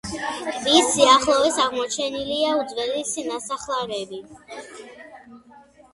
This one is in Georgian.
ტბის სიახლოვეს აღმოჩენილია უძველესი ნასახლარები.